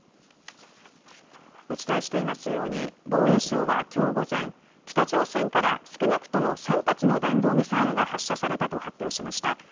お伝えしていますように防衛省はきょう午前、北朝鮮から少なくとも３発の弾道ミサイルが発射されたと発表しました。